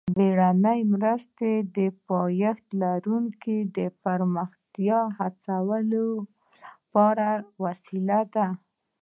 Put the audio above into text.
بهرنۍ مرستې د پایښت لرونکي پراختیا هڅولو لپاره یوه وسیله ده